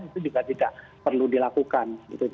itu juga tidak perlu dilakukan